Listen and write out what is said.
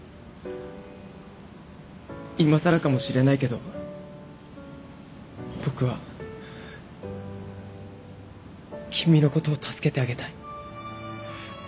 いまさらかもしれないけど僕は君のことを助けてあげたい。